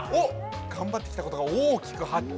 ◆頑張ってきたことが大きく発展。